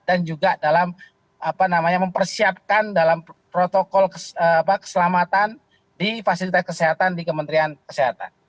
dan juga dalam apa namanya mempersiapkan dalam protokol keselamatan di fasilitas kesehatan di kementerian kesehatan